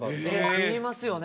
言いますよね。